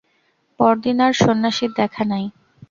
পরদিন আর সন্ন্যাসীর দেখা নাই।